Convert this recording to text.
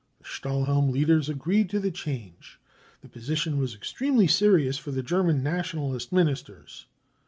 The Stahlhelm leaders agreed to the change. " The position was extremely serious for the German Nationalist Ministers.